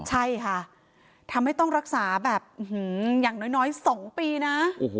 ใช่ค่ะทำให้ต้องรักษาแบบอย่างน้อย๒ปีนะ